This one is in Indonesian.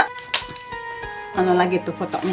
lalu lagi tuh fotonya